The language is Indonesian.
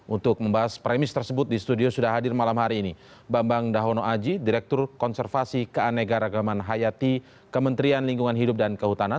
untuk membahas premis tersebut di studio sudah hadir malam hari ini bambang dahono aji direktur konservasi keanegaragaman hayati kementerian lingkungan hidup dan kehutanan